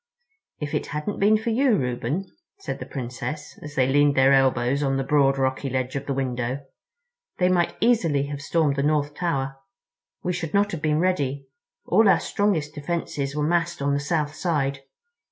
"If it hadn't been for you, Reuben," said the Princess, as they leaned their elbows on the broad rocky ledge of the window, "they might easily have stormed the North Tower—we should not have been ready—all our strongest defenses were massed on the south side.